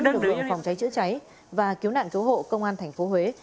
cảnh sát phòng cháy chữa cháy và cứu nạn cứu hộ công an thành phố huế